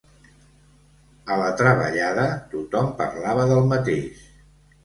A la treballada, tothom parlava del mateix.